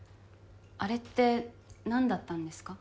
あれって何だったんですか？